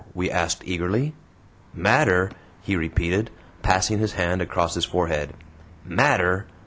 we asked eagerly. "Matter!" he repeated, passing his hand across his forehead. "Matter!